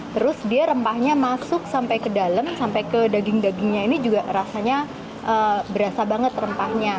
terus dia rempahnya masuk sampai ke dalam sampai ke daging dagingnya ini juga rasanya berasa banget rempahnya